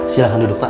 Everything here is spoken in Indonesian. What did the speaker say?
silahkan duduk pak